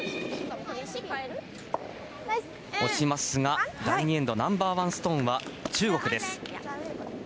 押しますが、第２エンドナンバーワンストーンは中国です。